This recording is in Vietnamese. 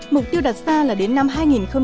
mục tiêu đặt ra là đến năm hai nghìn hai mươi